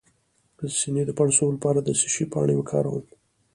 د سینې د پړسوب لپاره د څه شي پاڼې وکاروم؟